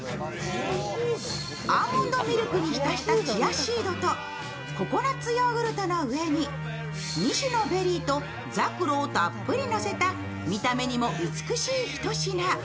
アーモンドミルクにひたしたチアシードとココナッツヨーグルトの上に２種のベリーとザクロをたっぷりのせた見た目にも美しいひと品。